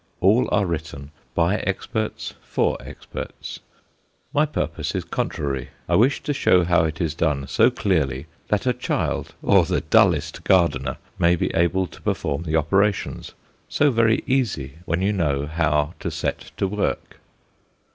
All are written by experts for experts. My purpose is contrary. I wish to show how it is done so clearly that a child or the dullest gardener may be able to perform the operations so very easy when you know how to set to work.